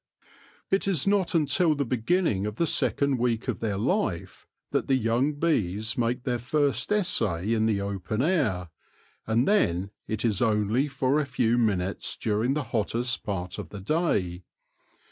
It is not until the beginning of the second week of their life that the young bees make their first essay in the open air, and then it is only for a few minutes during the hottest part of the day.